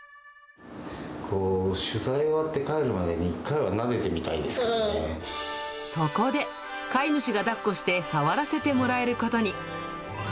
取材終わって帰るまでに、そこで、飼い主がだっこして触らせてもらえることに。